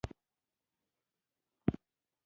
پښتانه بايد خپلو ځوانانو ته د فني زده کړو اهميت وښيي.